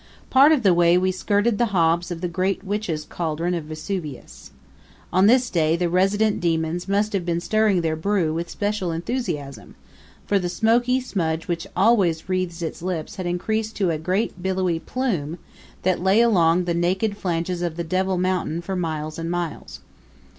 Part of the way we skirted the hobs of the great witches' caldron of Vesuvius. On this day the resident demons must have been stirring their brew with special enthusiasm, for the smoky smudge which always wreathes its lips had increased to a great billowy plume that lay along the naked flanges of the devil mountain for miles and miles.